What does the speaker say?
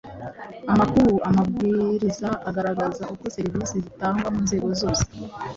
amakuru. Amabwiriza agaragaza uko serivisi zitangwa mu nzego zose